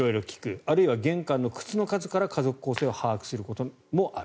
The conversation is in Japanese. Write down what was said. あるいは玄関の靴の数から家族構成を把握することもある。